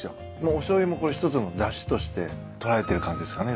おしょうゆもこれ一つのだしとして捉えてる感じですかね